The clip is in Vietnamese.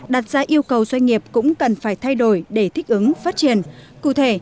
đặt ra yêu cầu doanh nghiệp cũng cần phải thay đổi để thích ứng phát triển cụ thể